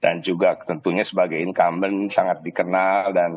dan juga tentunya sebagai incumbent sangat dikenal dan juga ini juga bisa dikarenakan